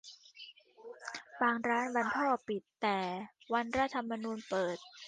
บางร้านวันพ่อปิดแต่วันรัฐธรรมนูญเปิด